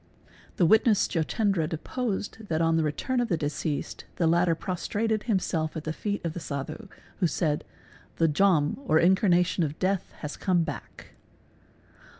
The witness Jotendra deposed that on the return of the deceased the latter prostrated himself at the feet of the Sadhu, who said "The Jom or incarnation of death has come back.